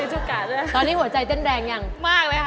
สีชุกาด่ะตอนนี้หัวใจเต้นแรงยังมากเลยฮะ